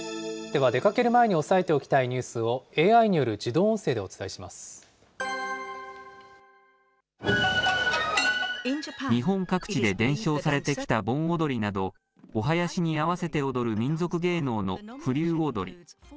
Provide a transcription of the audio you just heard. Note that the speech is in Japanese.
では、出かける前に押さえておきたいニュースをＡＩによる自日本各地で伝承されてきた盆踊りなど、お囃子に合わせて踊る民俗芸能の風流踊。